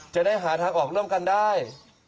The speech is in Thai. จะได้หาทางออกร่วมกันได้